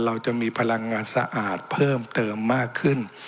เราจะมีพลังงานสะอาดเพิ่มเติมมากขึ้น